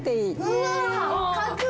うわ。